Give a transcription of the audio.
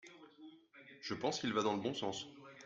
Je pense qu’il va dans le bon sens.